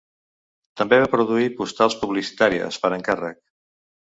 També va produir postals publicitàries, per encàrrec.